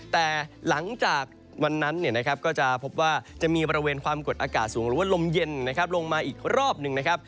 แต่หลังจากวันนั้นก็จะพบว่าจะมีบริเวณความกดอากาศสูงหรือว่าลมเย็นลงมาอีกรอบหนึ่งนะครับ